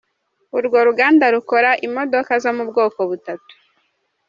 Urwo ruganda rukora imodoka zo mu bwoko butatu.